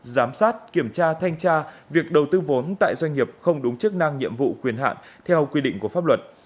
giám sát kiểm tra thanh tra việc đầu tư vốn tại doanh nghiệp không đúng chức năng nhiệm vụ quyền hạn theo quy định của pháp luật